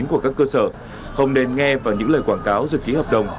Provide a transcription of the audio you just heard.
các công ty có thể tìm hiểu thật kỹ hợp đồng